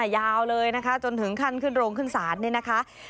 ยาวเลยนะคะจนถึงขั้นขึ้นโรงขึ้นศาลเนี่ยนะคะ